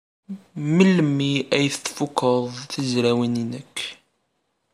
Melmi ay tfuked tizrawin-nnek?